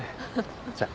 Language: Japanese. じゃあ。